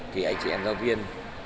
thì anh chị em giáo viên